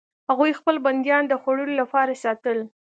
هغوی خپل بندیان د خوړلو لپاره ساتل.